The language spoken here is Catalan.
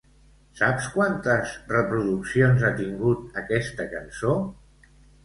Saps quantes reproduccions ha tingut aquesta cançó?